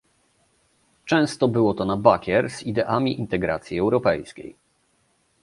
Często było to na bakier z ideami integracji europejskiej